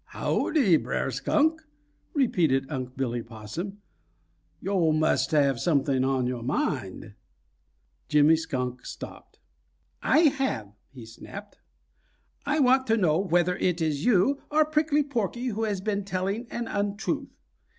"Howdy, Brer Skunk," repeated Unc' Billy Possum. "Yo' must have something on your mind." Jimmy Skunk stopped. "I have!" he snapped. "I want to know whether it is you or Prickly Porky who has been telling an untruth.